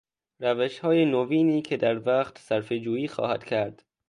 روشهای نوینی که در وقت صرفهجویی خواهد کرد